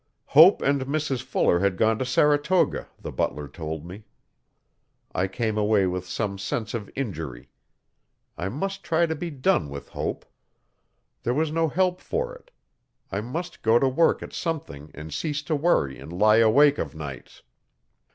Hope and Mrs Fuller had gone to Saratoga, the butler told me. I came away with some sense of injury. I must try to be done with Hope. There was no help for it. I must go to work at something and cease to worry and lie awake of nights.